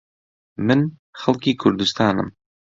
من خەڵکی کوردستانم.